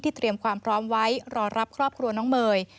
เตรียมความพร้อมไว้รอรับครอบครัวน้องเมย์